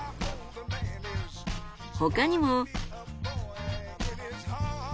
他にも。